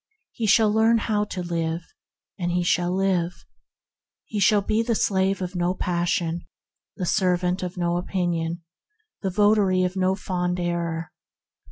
He shall learn how to live, and he shall live. He shall be the slave of no passion, the servant of no opinion, the votary of no fond error.